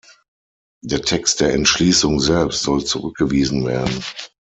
Der Text der Entschließung selbst soll zurückgewiesen werden.